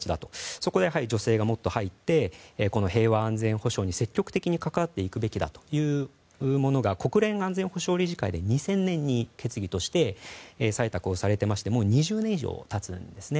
そこで、女性がもっと入って平和安全保障に積極的に関わっていくべきだというのが国連安全保障理事会で２０００年に決議として採択されていましてもう２０年以上経つんですね。